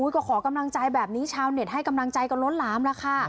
ก็ขอกำลังใจแบบนี้ชาวเน็ตให้กำลังใจกันล้นหลามแล้วค่ะ